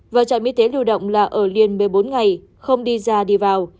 và trạm y tế lưu động là ở liên một mươi bốn ngày không đi ra đi vào